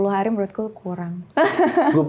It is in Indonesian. dua puluh hari menurutku kurang